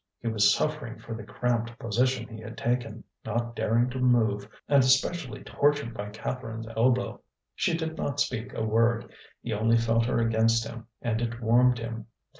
He was suffering for the cramped position he had taken, not daring to move, and especially tortured by Catherine's elbow. She did not speak a word; he only felt her against him and it warmed him.